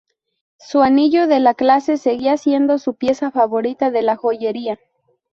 Su anillo de la clase seguía siendo su pieza favorita de la joyería.